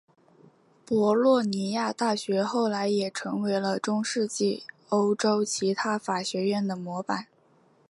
博洛尼亚大学后来也成为了中世纪欧洲其他法学院的模板。